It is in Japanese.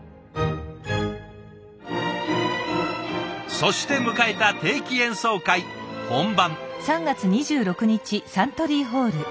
そして迎えた定期演奏会本番。